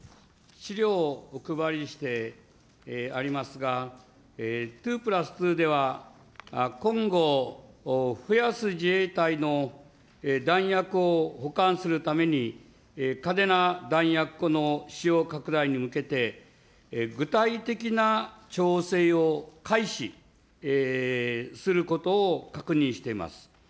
資料をお配りしてありますが、２プラス２では、今後、増やす自衛隊の弾薬を保管するために、嘉手納弾薬庫の使用拡大に向けて、具体的な調整を開始することを確認しています。